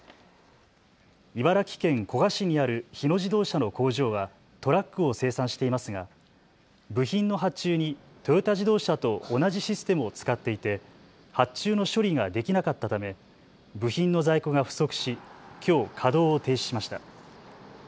茨城県古河市にある日野自動車の工場はトラックを生産していますが部品の発注にトヨタ自動車と同じシステムを使っていて発注の処理ができなかったため部品の在庫が不足しきょう稼働を停止しました。